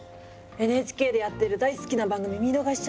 ＮＨＫでやってる大好きな番組見逃しちゃったのよ。